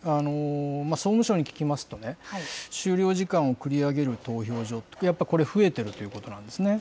総務省に聞きますとね、終了時間を繰り上げる投票所、やっぱこれ、増えてるということなんですね。